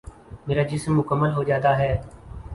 میرا جسم مکمل ہو جاتا ہے ۔